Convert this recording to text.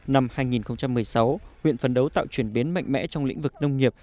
năm hai nghìn một mươi sáu huyện phấn đấu tạo chuyển biến mạnh mẽ trong lĩnh vực nông nghiệp